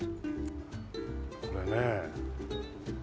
これねえ。